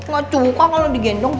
gak suka kalau digendong